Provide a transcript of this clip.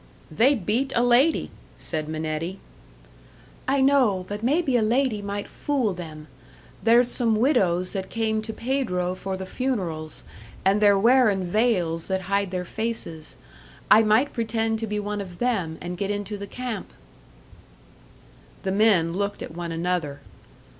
"They'd beat a lady," said Minetti. "I know, but maybe a lady might fool them. There's some widows that came to Pedro for the funerals, and they're wearin' veils that hide their faces. I might pretend to be one of them and get into the camp." The men looked at one another.